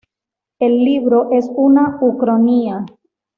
El libro es una ucronía.